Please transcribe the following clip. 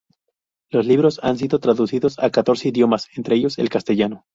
Los libros han sido traducidos a catorce idiomas, entre ellos el castellano.